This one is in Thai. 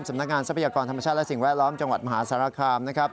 ทรัพยากรธรรมชาติและสิ่งแวดล้อมจังหวัดมหาสารคามนะครับ